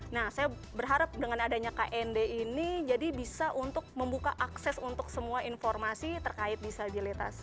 nah saya berharap dengan adanya knd ini jadi bisa untuk membuka akses untuk semua informasi terkait disabilitas